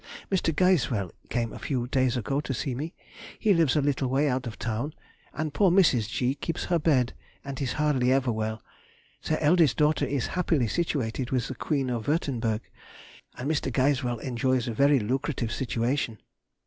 Mr. Gisewell came a few days ago to see me; he lives a little way out of town, and poor Mrs. G. keeps her bed, and is hardly ever well; their eldest daughter is happily situated with the Queen of Würtemberg, and Mr. Gisewell enjoys a very lucrative situation.